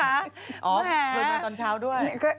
อ๋อเพิ่งมาตอนเช้าด้วย